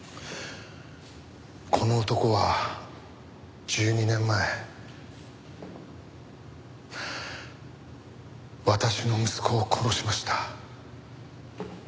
この男は１２年前私の息子を殺しました。